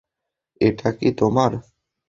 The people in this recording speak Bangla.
এটা কী তোমার?